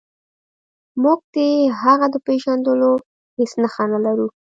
موږ د هغه د پیژندلو هیڅ نښه نلرو.